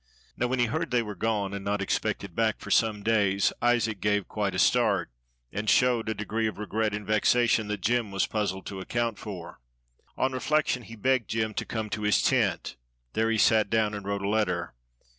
Now when he heard they were gone, and not expected back for some days, Isaac gave quite a start, and showed a degree of regret and vexation that Jem was puzzled to account for. On reflection he begged Jem to come to his tent; there he sat down and wrote a letter.